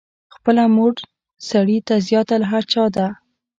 خپله مور سړي ته زیاته له هر چا ده.